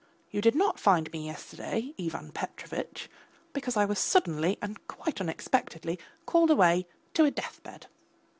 You did not find me yesterday, Ivan Petrovitch, because I was suddenly and quite unexpectedly called away to a death bed.